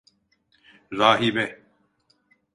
Rahibe…